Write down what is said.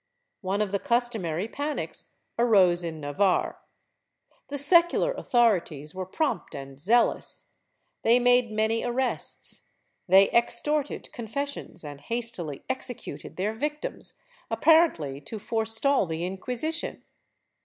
One of the customary panics arose in Navarre. The secular authorities were prompt and zealous; they made many arrests, they extorted confessions and hastily executed their victims, apparently to forestall the Inquisition.